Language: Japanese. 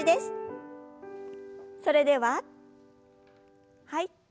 それでははい。